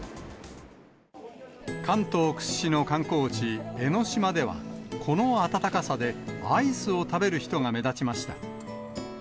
関東屈指の観光地、江の島では、この暖かさで、アイスを食べる人が目立ちました。